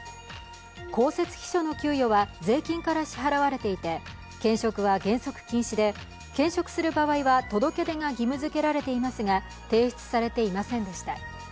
公設秘書の給与は税金から支払われていて兼職は原則禁止で兼職する場合は届け出が義務づけられていますが提出がされていませんでした。